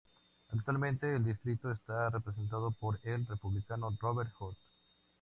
Actualmente el distrito está representado por el Republicano Robert Hurt.